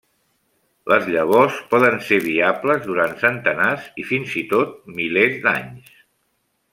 Les llavors poden ser viables durant centenars i fins i tot milers d'anys.